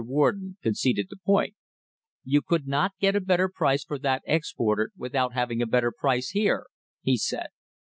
Warden conceded the point: "You could not get a better price for that exported without having a better price here," he said.